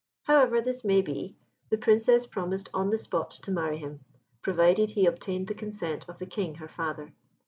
However this may be, the Princess promised on the spot to marry him, provided he obtained the consent of the King, her Father.